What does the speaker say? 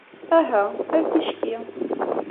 Aha, ar ticki.